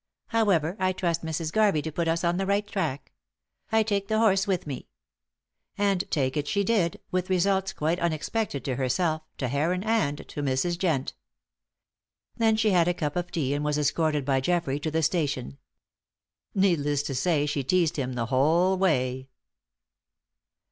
However, I trust Mrs. Garvey to put us on the right track. I take the horse down with me." And take it she did, with results quite unexpected to herself, to Heron, and to Mrs. Jent. Then she had a cup of tea and was escorted by Geoffrey to the station. Needless to say she teased him the whole way.